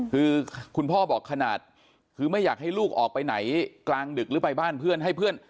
คือคุณพ่อบอกขนาดคือไม่อยากให้ลูกออกไปไหนกลางดึกหรือไปบ้านเพื่อนให้เพื่อน